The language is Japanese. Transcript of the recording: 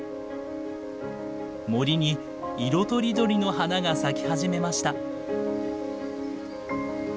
森に色とりどりの花が咲き始めました。